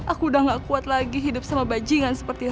aku udah gak kuat lagi hidup sama bajingan seperti itu